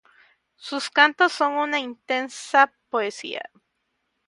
Sus cantos son de una intensa poesía.